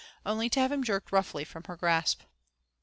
only to have him jerked roughly from her grasp.